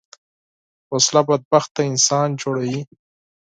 وسله بدبخته انسان جوړوي